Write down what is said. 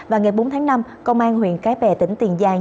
và ngày bốn tháng năm công an huyện cái bè tỉnh tiền giang